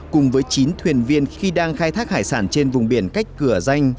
cùng với chín thuyền viên khi đang khai thác hải sản trên vùng biển cách cửa danh